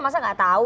masa gak tahu